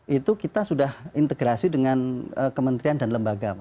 itu kita sudah integrasi dengan kementerian dan lembaga